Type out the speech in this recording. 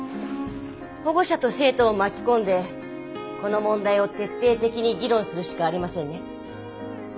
保護者と生徒を巻き込んでこの問題を徹底的に議論するしかありませんね。